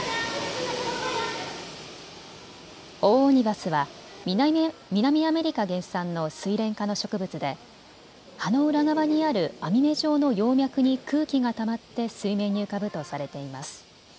オオオニバスは南アメリカ原産のスイレン科の植物で葉の裏側にある網目状の葉脈に空気がたまって水面に浮かぶとされています。